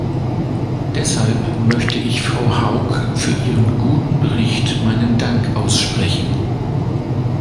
Deshalb möchte ich Frau Haug für ihren guten Bericht meinen Dank aussprechen.